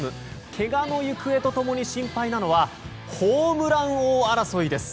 けがの行方と共に心配なのはホームラン王争いです。